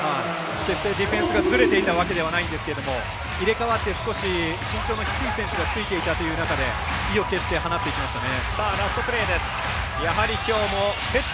決してディフェンスがずれていたわけではないんですが入れ代わって少し身長の低い選手がついていたという中で意を決して放っていきましたね。